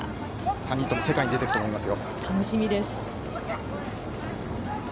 ３人とも世界に出て行くと思いますよ。